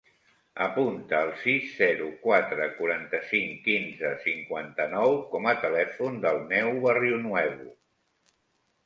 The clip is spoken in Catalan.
Apunta el sis, zero, quatre, quaranta-cinc, quinze, cinquanta-nou com a telèfon del Neo Barrionuevo.